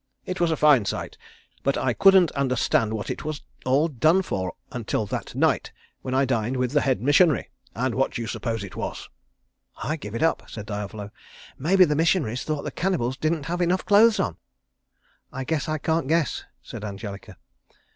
It was a fine sight, but I couldn't understand what it was all done for until that night, when I dined with the head missionary and what do you suppose it was?" "I give it up," said Diavolo, "maybe the missionaries thought the cannibals didn't have enough clothes on." "I guess I can't guess," said Angelica.